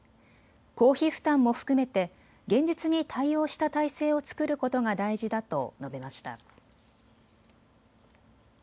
公費負担も含めて現実に対応した体制を作ることが大事だと述べました。